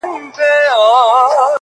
واک د زړه مي عاطفو ته ورکړ ځکه,